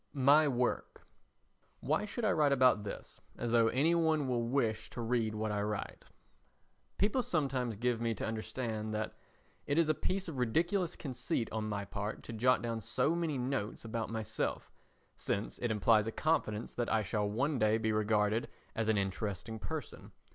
My Work Why should I write about this as though any one will wish to read what I write? People sometimes give me to understand that it is a piece of ridiculous conceit on my part to jot down so many notes about myself, since it implies a confidence that I shall one day be regarded as an interesting person.